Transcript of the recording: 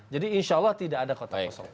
jadi insya allah tidak ada kotak kosong